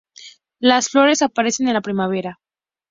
Las flores aparecen en la primavera.